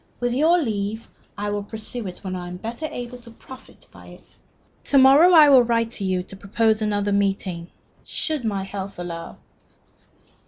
With your leave, I will pursue it when I am better able to profit by it. To morrow I will write to you to propose another meeting should my health allow."